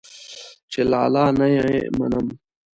چې لالا نه يې منم.